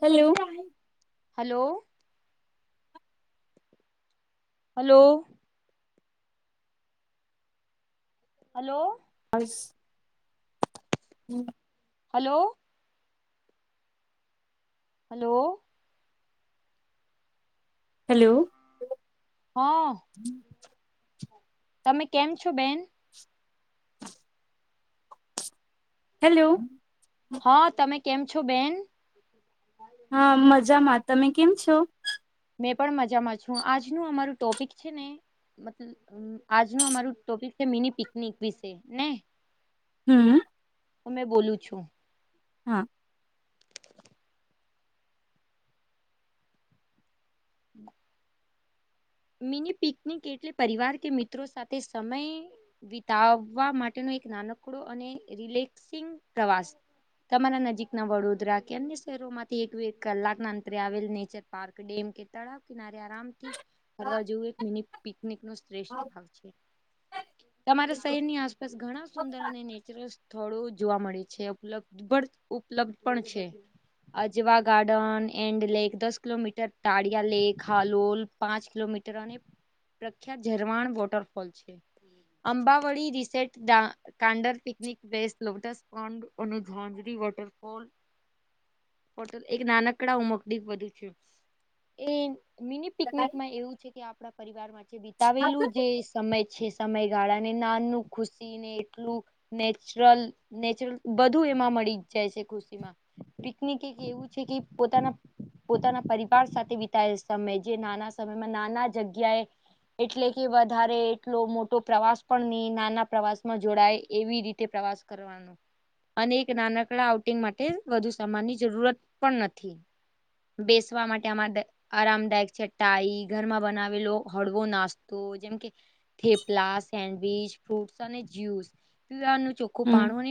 Hello hello hello hello [inaudible] હમ hello hello hello હા તમે કેમ છો બેન હેલો હા તમે કેમ છો બેન હા મજામાં તમે કેમ છો મેં પણ મજામાં છું આજનું અમારું ટોપિક છે ને મતલબ આજનું અમારું ટોપિક છે મિની પિકનિક વિશે ને હમ હા મે બોલું છું હા [inaudible] મિની પિકનિક એટલે પરિવાર કે મિત્રો સાથે સમય વિતાવવા માટે એક નાનકડો અને રિલેક્સિંગ પ્રવાસ તમારા નજીકના વડોદરા કે અન્ય શહેરોમાંથી એક કલાકના અંતરે આવેલ નેચર પાર્ક ડેમ તળાવ કિનારે આંરામથી ફરવા જેવું એક મિની પિકનિક નો શ્રેષ્ઠ ભાગ છે તમારા શહેર ની આસપાસ ઘણા સુંદર અને નેચરલ થોડું જોવા મળે છે ઉપલબ્ધ ઉપલબ્ધ પણ છે અજવા ગાર્ડન એન્ડ લેક દસ કિલોમીટર ટાળિયા લેક હાલોલ પાંચ કિલોમીટર અને પ્રખ્યાત ઝરવાણ વોટરફોલ છે અંબાવડી રિટ કાડર પનિકટસ વાટરફોલ એક નાનકડા ઉમકડીક બધું છે એ મિની પિકનિકમાં એવું છે કે આપણા પરિવાર માં જે બીતાવેલું જે સમય છે સમયગાળા ને નાનનું ખુશી ને એટલું નેચરલ નેચરલ બધું એમાં મળી જાય છે ખુશીમાં પિકનિક એક એવું છે કે પોતાના પોતાના પરિવાર સાથે વિતાયલ સમય જે નાના સમયમાં નાના જગ્યાએ એટલે કે વધારે એટલો મોટો પ્રવાસ પણ નહી નાના પ્રવાસ માં જોડાય એવી રીતે આવાજ કરવાનું અને એક નાનકડા આઉટિંગ માટે વધુ સમાનની જરૂરત પણ નથી બેસવા માટે અમા આરામદાયક છે ાઈ ઘરમાં બનાવેલો હળવો નાસ્તો જેમ કે થેપલા સેન્ડવીચ ન ચોખું હમ પાણ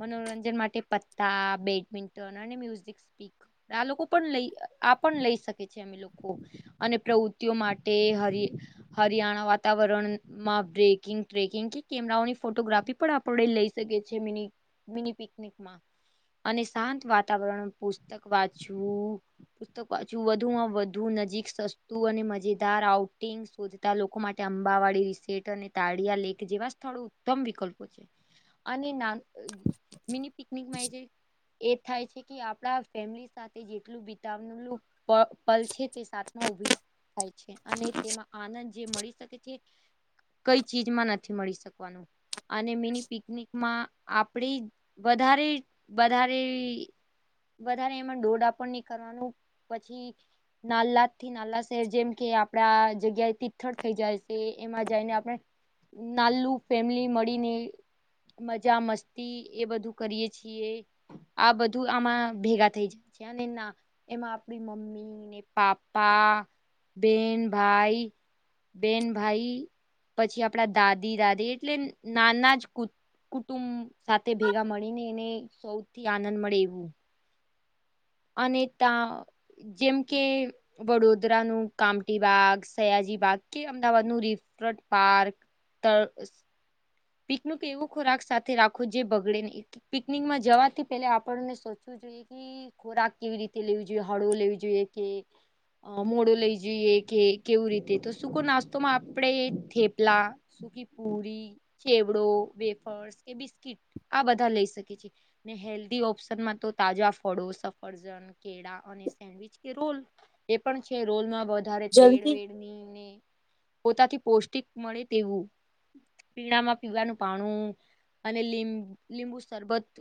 મનોરંજન માટે પત્તા બેડમિન્ટન અને મ્યુઝિક સ્પીક આ લોકો પણ લઈ આપ પણ લઈ શકે. મે લોકો અને પ્રવૃતિઓ માટે હરિયાણા વાતાવરણમાં બકિંગ ટકિંગ કે કેમેરાઓની ફોટોગ્રાફી પણ આપણે લઈ શકીએ છીએ મિ મિની પિકનિકમાં અને શાંત વાતાવરણ પુસ્તક વાંચવું પુસ્તક વાચ વધુમાં વધુ નજીક સસ્તું અને મજેદાર આઉટિંગ શોધતા લોકો માટે અંબાવાડી અને તાળયા લેક જેવા સ્થળો ઉત્તમ વિકલ્પો છે અને મિની પિકનિક માહજ એ થાય છે કે આપડા ફેમિલી સાથે જેટલું બતાવ પ પલ છે તે સાતમો થાય છે અને તેમાં આનંદ જે મળી શકે છે. કઈ ચીજમાં નથી મળી શકવાનું અને મેની પિકનિકમાં આપડી વધારે વધારે વધારે એમાં ડોઢ આપ નહી કરવાનું. પછી નાલલાદ થી નાલા શહેર જેમ કે આપડા જગ્યાએ તિથળ થઈ જાય છે. એમાં જઈને આપણે નાલું ફેમલી મળીને મજા મસ્તી એ બધું કરીયે છીએ આ બધું આમાં ભેગા થઈ જાય. પછ ના એ મા આપણી મમ્મી ને પાપા બેન ભાઈ બેન ભાઈ પછી આપડા દાદી દાદી એટલે નાના જ કુ કુટુંબ સાથે ભેગા મળીને એને સૌથી આનંદ મળે એવું અને ત્યા જેમ કે વડોદરાનું કામટી બાાગ સયા બા અમદાવાદ ન રિફ્ર પાર્ક પિકનક એવો ખોરાક સાથે રાખો જે બગડે નને પિકનિકમાં જવાથી પે આપણને સોચવું કે ખોરાક કેવી રીતે લેવી જોઈએ હળવું લેવી જોઈએ કે અ મોડો લઈ જઈએ કે કેવું રીતે તો શું કો નાસ્તોમાં આપણે થેપલા કકી પૂડી ચેવડો વેફર્સ કે બિસ્કીટ આ બધા લઈ શકે છે ને હેલ્ધી ઓપ્શનમાં તો તાજા ફળો સફરજન કેળા અને સેન્ડવીચ કે રોલ એ પણ છે રોલમાં વધારે તેડ જલ્દી વડની ને પોતાથી પૌષ્ટિક મળે તેવું પીણામાં પીવાનું પાણું અને લીંબુ સરબત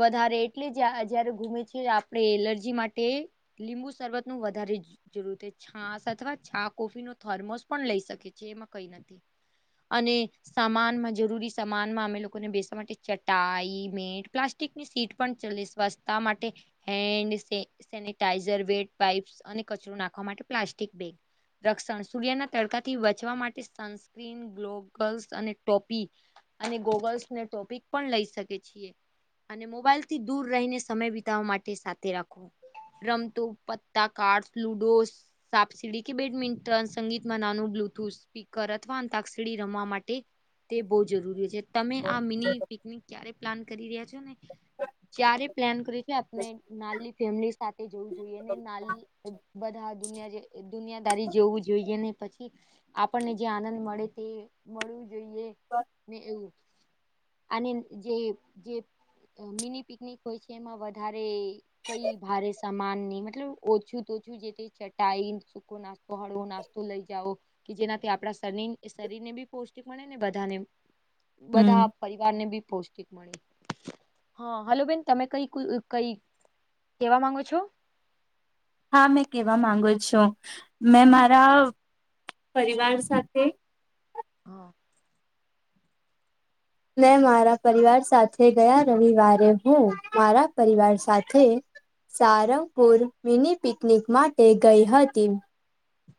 વધારે એટલે જ જયારે ગુમે છે આપણે એલ માટે લીંબુ શરબત ન વધારે જરૂર છાસ અથવા છા કોફી નો થર્મલ પણ લઈ શકે છે એમાં કઈ નથી અને સામાનમાં જરૂરી સમાનમાં અમે લોકોને બેસવા માટે ચટાઈ મેટ પ્લાસ્ટિકની સીટ પણ તા સ્વાસ્થ્ય માટે હેન્ સેનટાઈઝર વેડ પાઇપ્સ અને કચરો નાખવા માટે પ્લાસ્ટિક બેગ રક્ષણ સૂર્યના તડકાથી બચવા માટે સનસ્ક્રીન ગ્લોગલ્સ અને ટોપી અને ગોગલ્સને ટોપિક પણ લઈ શકે છીએ. અને મોબાઈલ થી દૂર રહીને સમય બિતાવવા માટે સાથે રાખવો. રમતો પતા કાર્ડ લુડો સાપ સીડી કે બેડમિન્ટન સંગીતમાં નાનું બ્લુટુથ, સ્પીકર અથવા અતાક્ષીડી રમવા માટે તે બહ જરૂરી છે તમે આ મિની પિકનિક ક્યારે પ્લાન કરી રહ્યા છો ને જ્યારે પ્લાન કરી છે આપણે નાની ફેમિલી સાથે જોવું જોઈએ ને ના બધા દ દુનિયાદારી જવું જોઈએ ને પછી આપણને જે આનંદ મળે તે મળવું જોઈએ ને એવું અને જે મિની પિકનિક હોય છે એમાં વધારે કઈ ભારે સમાન મતલબ ઓછું તો ચટાઈકો, સુખો નાસ્તો હળવો નાસ્તો લઈ જાવ કે જેનાથી આપણા શરીરને બી પષ્ટ મળે ને બધાને બધા હમ પરિવારને બી પૌષ્ટિક મળ હા હલો બેન તમે કઈ કઈ કેવા માંગો છો? હા મેં કેવા માંગુ છું, મેં હા મારા પરિવાર સાથે હા. મેં મારા પરિવાર સાથે ગયા રવિવારે હું મારા પરિવાર સાથે સારંગપુર મિની પિકનિક માટે ગઈ હતી.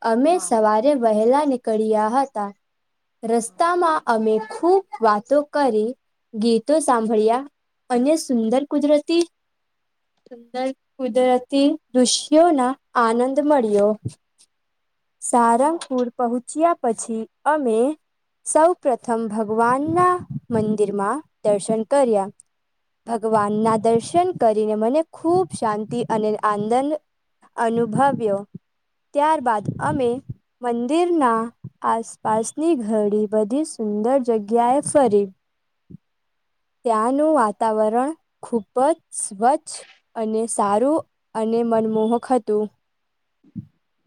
અમે હા સવારે વહેલા નીકળ્યા હતા. રસ્તામાં અમે ખૂબ વાતો કરી ગીતો સાંભળ્યા. અને સુંદર કુદરતી સુંદર કુદરતી દૃશ્યોના આનંદ મળ્યો. હા સારંગપુર પહોંચ્યા પછી અમે સૌ પ્રથમ ભગવાનના મંદિરમાં દર્શન કર્યા. ભગવાનના દર્શન કરીને મને ખૂબ શાંતિ અને આનંદ અનુભવ્યો, ત્યારબાદ અમે મંદિરના આસપાસની ઘડી બધી સુંદર જગ્યાએ ફરી. [inaudible] ત્યાંનું વાતાવરણ ખુબ જ સ્વચ્છ અને સારું અને મનમોહક હતું,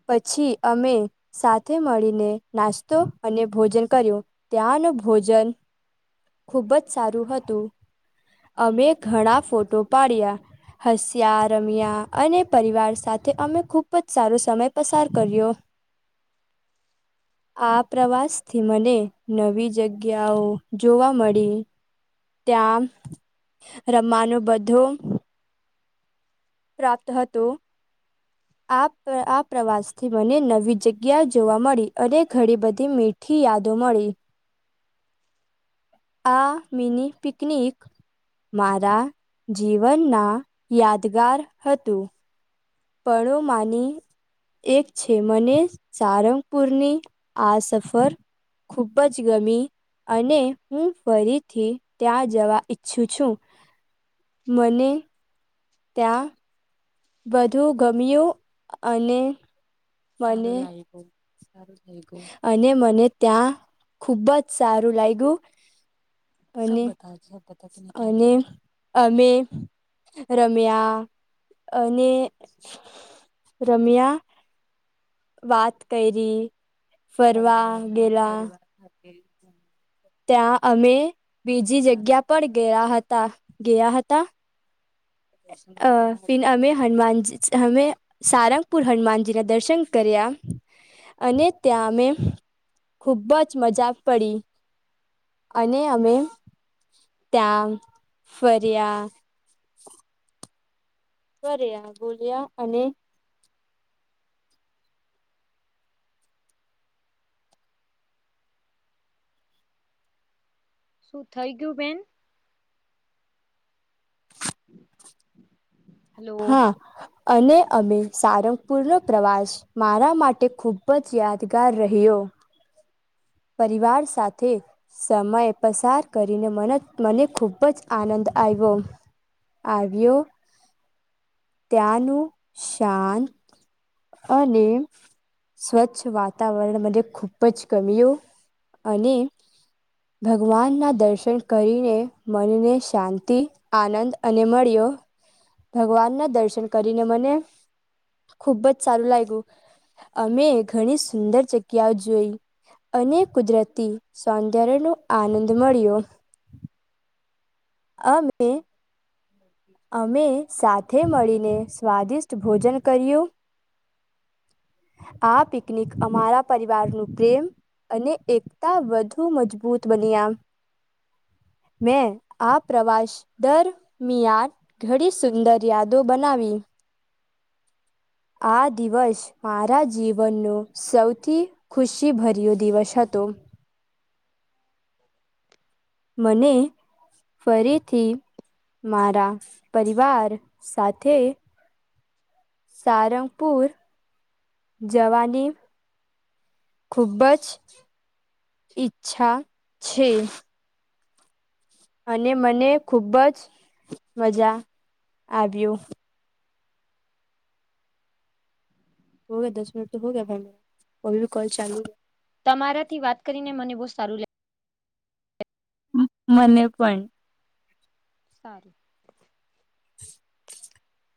પછી અમે સાથે મળીને નાસ્તો અને ભોજન કર્યું, ત્યાં ન ભોજન ખુબ જ સારું હતું, અમે ઘણા ફોટો પાડ્યા. હસ્યા રમ્યા અને પરિવાર સાથે અમે ખૂબ જ સારો સમય પસાર કર્યો. [inaudible] આ પ્રવાસથી મને નવી જગ્યાઓ જોવા મળી. ત્યાં રમવાનું બધું. પ્રાપ્ત હતું. આ પ્રવાસથી મને નવી જગ્યા જોવા મળી અને ઘણી બધી મીઠી યાદો મળી. આ મિની પિકનિક મારા જીવનના યાદગાર હતું. પળો માની એક છે મને, સારંગપુરની આ સફર ખુબ જ ગમી. અને હું ફરીથી ત્યાં જવા ઈચ્છું છું. મને ત્યાં બધું ગમ્યું, અને મને અને મને ત્યાં ખુબ જ સારું લાગ્યું. અને અને અમે રમ્યા, અને રમ્યા વાત કરી ફરવા ગેલા. ત્યાં અમે બીજી જગ્યા પર ગયા હતા ગયા હતા. અ પી અમે હનુમાનજી અમે સારંગપુર હનુમાનજી ના દર્શન કર્યા. અને ત્યાં અમે ખુબજ મજા પડી. અને અમે ત ફરિયા કર્યા બોલ્યા અને શું થઇ ગયું બેન? હમ [inaudible] હા. અને અમે સારંગપુરનો પ્રવાસ મારા માટે ખૂબ જ યાદગાર રહ્યો. [unintelligible] પરિવાર સાથે સમય પસાર કરીને મન મને ખુબ જ આનંદ આવવ આવ્યો ત્યાનુ શાંત અને સ્વચ્છ વાતાવરણ મ ખૂબ જ કમીઓ અને ભગવાનના દર્શન કરીને મનને શાંતિ આનંદ અને મળ્યો ભગવાન ના દર્શન કરીને મને ખુબ જ સારું લાગ્યું અમે ઘણી સુંદર જગ્યાઓ જોઈ અને કુદરતી સૌંદર્યનો આનંદ મળ્યો આ મે અમે સાથે મળીને સ્વાદિષ્ટ ભોજન કર્યું [inaudible] આ પિકનિક અમારા પરિવાર નું પ્રેમ અને એકતા વધુ મજબૂત બન્યા મેં આ પ્રવાસ દરમિયાદ ઘડી સુંદર યાદો બનાવી આ દિવસ મારા જીવનનો સૌથી ખુશીભર્યો દિવસ હતો તોમ મને ફરીથી મારા પરિવાર સાથે સારંગપુર જવાની ખૂબ જ ઈચ્છા છે અને મને ખુબજ મજા આવ્યું હો ગયા દસ મિનટ તો હો ગયા ભ અભી કોલ ચાલુ તમારાથી વાત કરીને મને બહુ સારું લાગ્યું મને પણ હું [inaudible]